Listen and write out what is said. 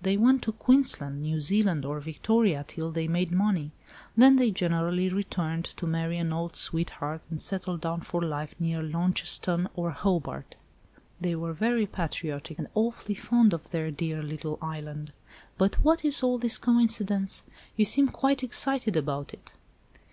they went to Queensland, New Zealand, or Victoria till they made money. Then they generally returned to marry an old sweetheart and settle down for life near Launceston or Hobart. They were very patriotic, and awfully fond of their dear little island. But what is all this coincidence? You seem quite excited about it."